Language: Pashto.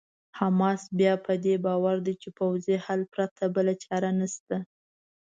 حماس بیا په دې باور دی چې پوځي حل پرته بله چاره نشته.